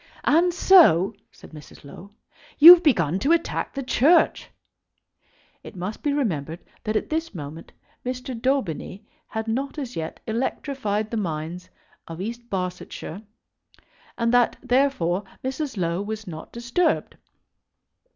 "And so," said Mrs. Low, "you've begun to attack the Church?" It must be remembered that at this moment Mr. Daubeny had not as yet electrified the minds of East Barsetshire, and that, therefore, Mrs. Low was not disturbed.